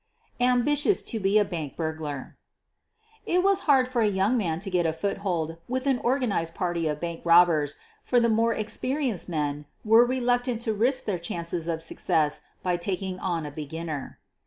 AMBITIOUS TO BE A BANK BURGLAR It was hard for a young man to get a foothold with an organized party of bank robbers, for the more experienced men were reluctant to risk their chances of success by taking on a beginner.